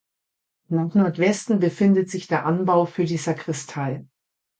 Nach Nordwesten befindet sich der Anbau für die Sakristei.